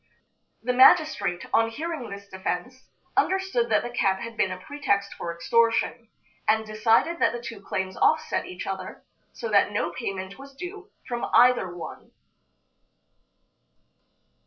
The magistrate, on hearing this defense, understood that the cat had been a pretext for extortion, and decided that the two claims offset each other, so that no payment was due from either one.